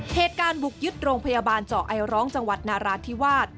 เหตุการณ์บุกยึดโรงพยาบาลเจาะไอร้องจังหวัดนาราธิวาส